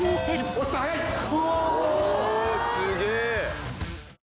おすげえ。